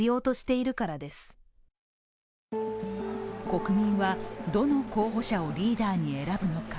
国民はどの候補者をリーダーに選ぶのか。